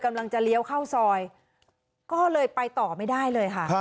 เลี้ยวเข้าซอยก็เลยไปต่อไม่ได้เลยค่ะ